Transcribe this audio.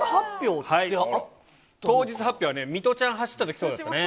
当日発表は、水卜ちゃん走ったとき、そうだったね。